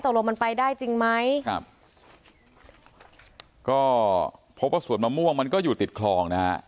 ตกลงมันไปได้จริงไหมครับก็พบว่าสวนมะม่วงมันก็อยู่ติดคลองนะฮะ